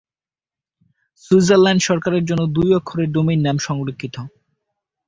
Switzerland সরকারের জন্য দুই অক্ষরের ডোমেইন নাম সংরক্ষিত।